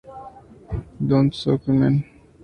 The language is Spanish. Don't shoot, G-Men!